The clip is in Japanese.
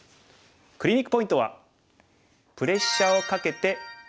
クリニックポイントは。